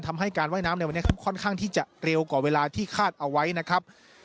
ทำให้การว่ายน้ำในวันนี้ครับค่อนข้างที่จะเร็วกว่าเวลาที่คาดเอาไว้นะครับ